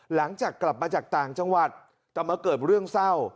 หลังจากกลับมาจากต่างจังหวัดแต่มาเกิดเรื่องเศร้า